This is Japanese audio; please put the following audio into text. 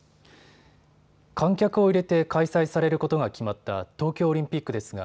観客を入れて開催されることが決まった東京オリンピックです